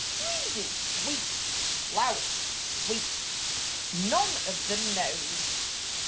Breezes, wheat, flowers sweet, None of them knows!